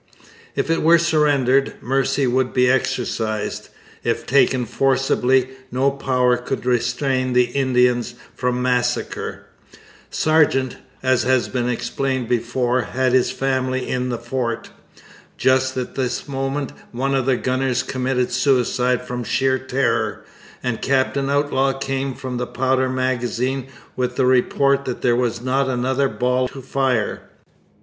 If it were surrendered, mercy would be exercised. If taken forcibly, no power could restrain the Indians from massacre. Sargeant, as has been explained before, had his family in the fort. Just at this moment one of the gunners committed suicide from sheer terror, and Captain Outlaw came from the powder magazine with the report that there was not another ball to fire.